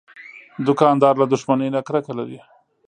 دوکاندار له دښمنۍ نه کرکه لري.